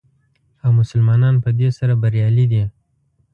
او مسلمانان په دې سره بریالي دي.